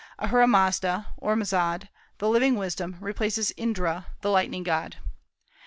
Ahura Mazda (Ormazd), the living wisdom, replaces Indra, the lightning god.